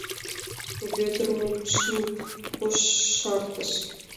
Вӧдыр мутшым кошартыш.